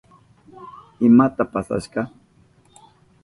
¿Imata pasashka?